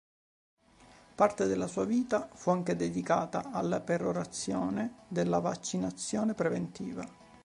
Parte della sua vita fu anche dedicata alla perorazione della vaccinazione preventiva.